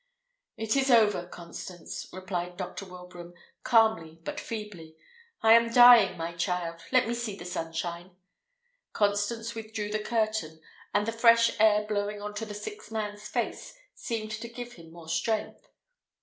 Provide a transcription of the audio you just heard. "It is over, Constance!" replied Dr. Wilbraham, calmly, but feebly. "I am dying, my child. Let me see the sunshine." Constance withdrew the curtain, and the fresh air blowing on the sick man's face seemed to give him more strength.